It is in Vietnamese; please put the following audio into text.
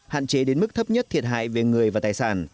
hạn chế đến mức thấp nhất thiệt hại về người và tài sản